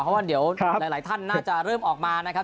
เพราะว่าเดี๋ยวหลายท่านน่าจะเริ่มออกมานะครับ